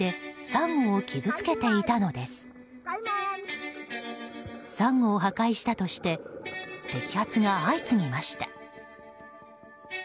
サンゴを破壊したとして摘発が相次ぎました。